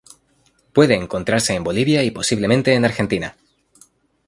Puede encontrarse en Bolivia y posiblemente en Argentina.